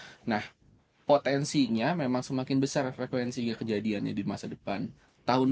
seperti itu kan nah potensinya memang semakin besar frekuensi kejadiannya di masa depan tahun